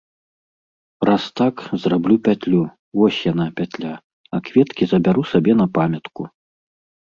Раз так, зраблю пятлю, вось яна, пятля, а кветкі забяру сабе на памятку.